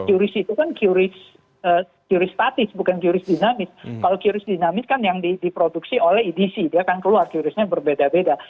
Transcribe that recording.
curist itu kan curist statis bukan curist dinamis kalau curist dinamis kan yang diproduksi oleh edc dia akan keluar curistnya berbeda beda